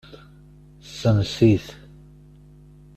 Sens-it.